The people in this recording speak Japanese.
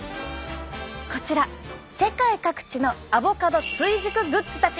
こちら世界各地のアボカド追熟グッズたち。